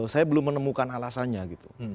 saya belum menemukan alasannya gitu